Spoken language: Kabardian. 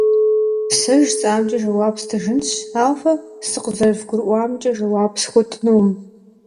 Сэ жысӏамкӏэ жэуап стыжынщ, ауэ фэ сыкъызэрывгурыӏуамкӏэ жэуап схуэтынукъым.